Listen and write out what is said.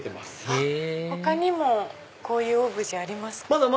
へぇ他にもこういうオブジェありますか？